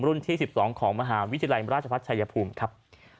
รุ่นที่สิบสองของมหาวิทยาลัยราชภัษยภูมิครับ